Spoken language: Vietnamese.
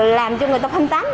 làm cho người ta phân tán